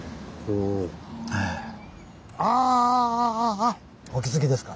お気付きですか。